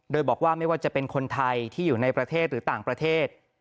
โดยบอกว่าไม่ว่าจะเป็นคนไทยที่อยู่ในประเทศหรือต่างประเทศ